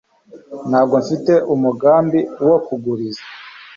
Ntabwo mfite umugambi wo kuguriza